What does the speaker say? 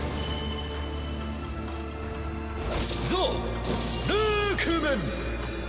ザ・ルークメン！